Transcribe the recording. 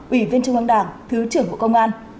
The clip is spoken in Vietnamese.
ủy viên trung ương đảng thứ trưởng bộ công an